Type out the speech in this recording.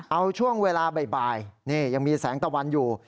เอาช่วงเวลาบ่ายนี่ยังมีแสงตะวันอยู่